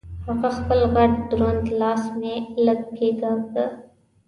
هغه خپل غټ دروند لاس مې لږه کېګاږه.